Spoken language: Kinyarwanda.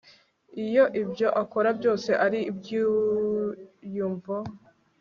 iyo ibyo akora byose ari ibyiyumvo